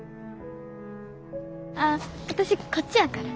あっ私こっちやから。